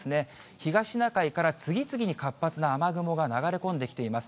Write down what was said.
東シナ海から次々に活発な雨雲が流れ込んできています。